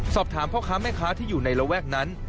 สอบถามพ่อค้าแม่ค้าที่อยู่ในระแวกนั้น